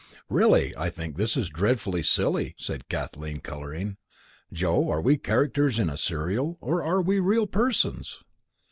"Really, I think this is dreadfully silly," said Kathleen, colouring. "Joe, are we characters in a serial, or are we real persons?"